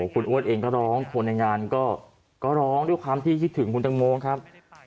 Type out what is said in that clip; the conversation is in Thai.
คุณอ้วนเองก็ร้องคนในงานก็ร้องด้วยความที่คิดถึงคุณตังโมครับ